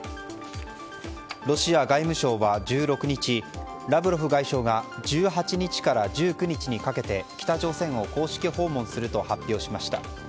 ロシア外務省は１６日ラブロフ外相が１８日から１９日にかけて北朝鮮を公式訪問すると発表しました。